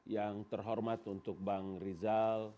yang terhormat untuk bang rizal